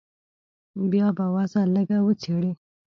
بيا به وضع لږه وڅېړې.